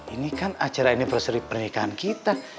ini kan acara ini pernikahan kita